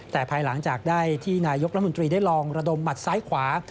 แต่ภายหลังจากได้ที่นายกรัฐมนตรีได้ลองระดมหมัดซ้ายขวา